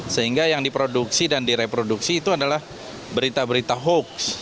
sehingga yang diproduksi dan direproduksi itu adalah berita berita hoax